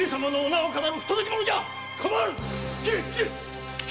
構わぬ斬れ！